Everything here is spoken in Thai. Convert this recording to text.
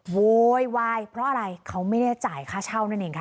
โวยวายเพราะอะไรเขาไม่ได้จ่ายค่าเช่านั่นเองค่ะ